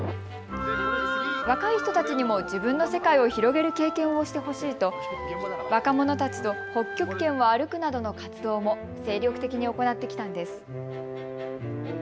若い人たちにも自分の世界を広げる経験をしてほしいと若者たちと北極圏を歩くなどの活動も精力的に行ってきたんです。